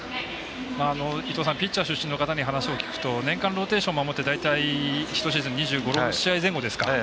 ピッチャー出身の方に話を聞くと年間ローテーションを守って１シーズン２５２６試合ぐらいですか。